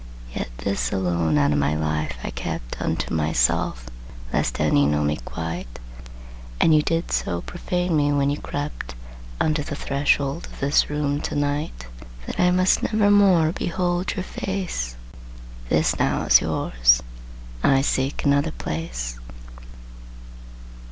Yet this alone out of my life I kept Unto myself, lest any know me quite; And you did so profane me when you crept Unto the threshold of this room to night That I must never more behold your face. This now is yours. I seek another place.